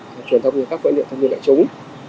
truyền thông cho các cơ địa thông tin đại chúng